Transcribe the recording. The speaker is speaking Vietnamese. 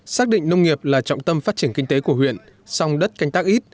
xác định nông nghiệp là trọng tâm phát triển kinh tế của huyện song đất canh tác ít